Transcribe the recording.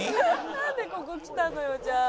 「なんでここ来たのよじゃあ」